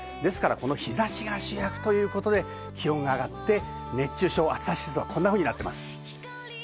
日差しが主役ということで気温が上がって暑さ指数はこんなふうになっています。